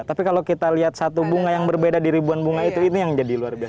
tapi kalau kita lihat satu bunga yang berbeda di ribuan bunga itu ini yang jadi luar biasa